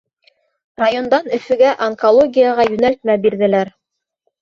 Райондан Өфөгә онкологияға йүнәлтмә бирҙеләр.